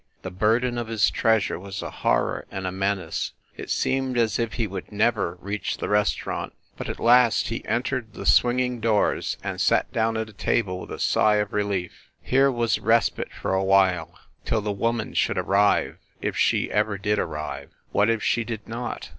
The burden of his treasure was a horror and a menace; it seemed as if he would never reach the restaurant. But, at last, he entered the swinging doors and sat down at a table with a sigh of relief. Here was respite for a while till the woman should arrive if she ever did arrive. What if she did not